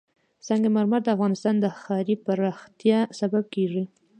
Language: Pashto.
سنگ مرمر د افغانستان د ښاري پراختیا سبب کېږي.